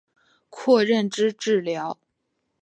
括认知治疗。